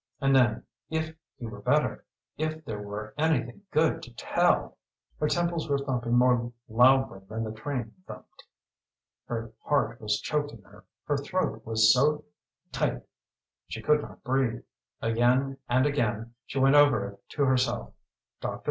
And then if he were better, if there were anything good to tell Her temples were thumping more loudly than the train thumped. Her heart was choking her. Her throat was so tight she could not breathe. Again and again she went over it to herself. Dr.